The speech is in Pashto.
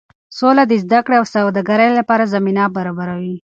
سوله د زده کړې او سوداګرۍ لپاره زمینه برابروي.